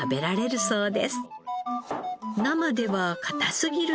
生では硬すぎるので。